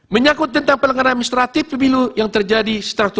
menyakut tentang pelanggaran amnestri pemilu yang terjadi secara terstruktur